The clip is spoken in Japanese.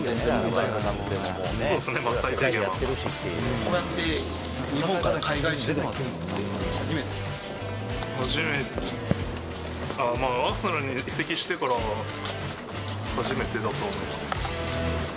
こうやって日本から海外取材初めて、ああ、まあ、アーセナルに移籍してからは初めてだと思います。